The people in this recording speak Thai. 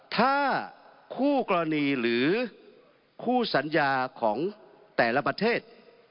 ถ้าคู่กรณีหรือคู่สัญญาของแต่ละประเทศ